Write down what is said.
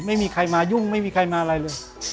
ไม่มีใครมายุ่งไม่มีใครมาอะไรเลย